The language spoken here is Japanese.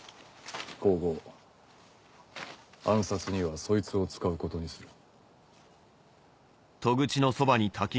今後暗殺にはそいつを使うことにする。